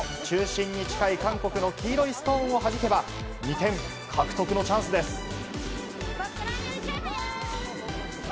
中心に近い韓国の黄色いストーンをはじけば２点獲得のチャンスです。